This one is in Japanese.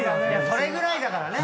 それぐらいだからね。